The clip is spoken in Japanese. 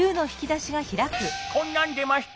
こんなんでました。